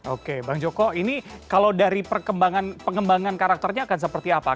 oke bang joko ini kalau dari perkembangan karakternya akan seperti apa